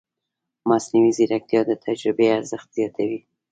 مصنوعي ځیرکتیا د تجربې ارزښت زیاتوي.